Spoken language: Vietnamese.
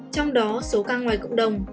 trong đó số ca ngoài cộng đồng